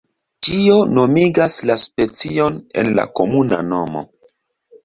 Tio nomigas la specion en la komuna nomo.